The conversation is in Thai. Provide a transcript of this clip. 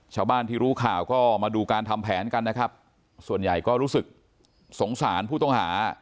ชาวบ้านที่รู้ข่าวก็มาดูการทำแผนกันนะครับส่วนใหญ่ก็รู้สึกสงสารผู้ต้องหา